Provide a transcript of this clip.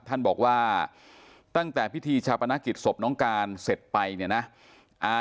ท่านบอกว่าตั้งแต่พิธีชาปนกิจศพน้องการเสร็จไปเนี่ยนะ